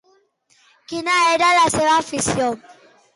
Quina era la seva afició?